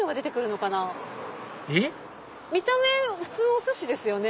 見た目普通のお寿司ですよね。